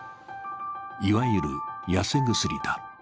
いわゆる痩せ薬だ。